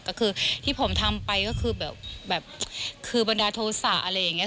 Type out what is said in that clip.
ก็คือที่ผมทำไปก็คือแบบคือบันดาลโทษะอะไรอย่างนี้